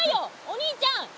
お兄ちゃん。